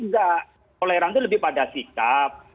enggak toleran itu lebih pada sikap